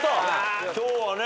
今日はね